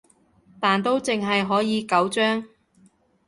但都淨係可以九張